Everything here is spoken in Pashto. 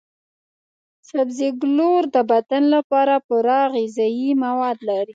سبزي ګولور د بدن لپاره پوره غذايي مواد لري.